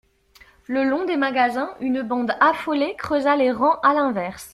Le long des magasins, une bande affolée creusa les rangs à l'inverse.